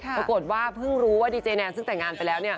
ปรากฏว่าเพิ่งรู้ว่าดีเจแนนซึ่งแต่งงานไปแล้ว